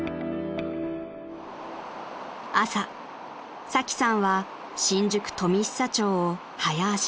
［朝サキさんは新宿富久町を早足で］